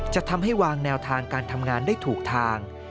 จะทำให้วางแนวทางการทำงานได้ถูกทาง